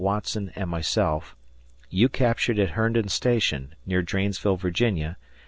Watson, and myself you captured at Herndon Station, near Dranesville, Va.